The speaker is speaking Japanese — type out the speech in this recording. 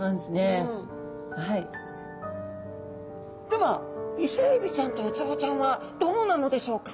ではイセエビちゃんとウツボちゃんはどうなのでしょうか？